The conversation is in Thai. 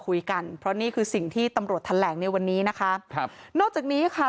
คุยกันเพราะนี่คือสิ่งที่ตำรวจแถลงในวันนี้นะคะครับนอกจากนี้ค่ะ